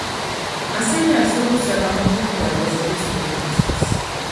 ასევე არსებობს საგამოფენო დარბაზები სტუმრებისთვის.